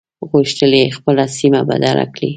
غوښتل يې خپله سيمه بدله کړي.